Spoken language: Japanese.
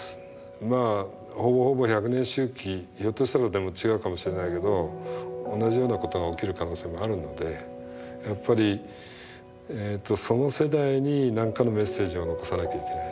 まあほぼほぼ１００年周期ひょっとしたらでも違うかもしれないけど同じようなことが起きる可能性もあるのでやっぱりその世代に何かのメッセージを残さなきゃいけない。